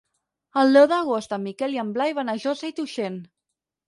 El deu d'agost en Miquel i en Blai van a Josa i Tuixén.